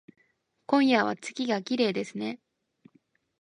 今夜は月がきれいですね